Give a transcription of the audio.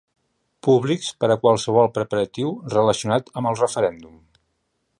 Públics per a qualsevol preparatiu relacionat amb el referèndum.